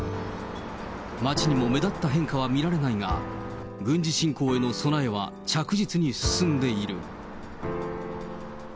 街にも目立った変化は見られないが、軍事侵攻への備えは着実に進んでいる。